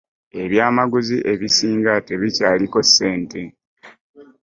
ebyamaguzi ebisinga tebikyaliko ssente.